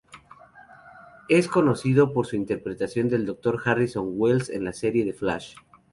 Es conocido por su interpretación del Dr. Harrison Wells en la serie The Flash.